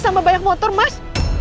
sambah banyak motor mas